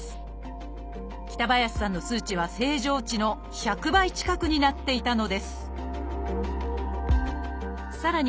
北林さんの数値は正常値の１００倍近くになっていたのですさらに